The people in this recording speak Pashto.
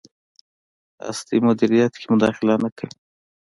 هستۍ مدیریت کې مداخله نه کوي.